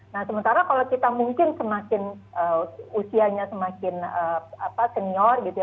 nah sementara kalau kita mungkin semakin usianya semakin senior gitu ya